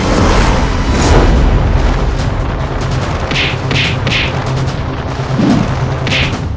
ya sudah dibayar ya pak